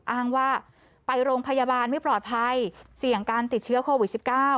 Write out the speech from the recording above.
อ้างว่าไปโรงพยาบาลไม่ปลอดภัยเสี่ยงการติดเชื้อโควิด๑๙